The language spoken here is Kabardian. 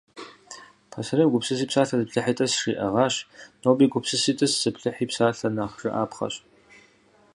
Пасэрейм «гупсыси псалъэ, зыплъыхьи тӏыс» жиӏэгъащ. Нобэ «гупсыси тӏыс, зыплъыхьи псалъэ» нэхъ жыӏапхъэщ.